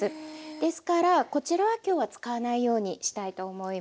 ですからこちらは今日は使わないようにしたいと思います。